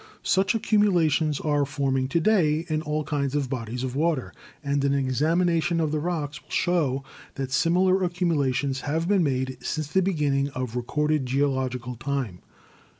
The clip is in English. Such accumulations are forming to day in all kinds of bodies of water, and an examination of the rocks will show that similar accumulations have been made since the be ginning of recorded geological time.